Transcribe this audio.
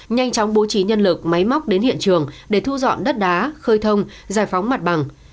nhanh chóng bố trí nhân lực máy móc đến hiện trường để thu dọn đất đá khơi thông giải phóng mặt bằng